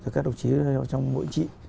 các đồng chí trong mỗi trị